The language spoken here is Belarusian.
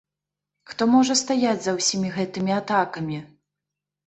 Хто можа стаяць за ўсімі гэтымі атакамі?